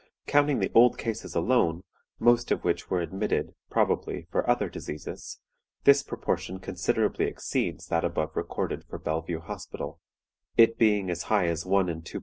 Counting the old cases alone, most of which were admitted, probably, for other diseases, this proportion considerably exceeds that above recorded for Bellevue Hospital, it being as high as 1 in 2·35.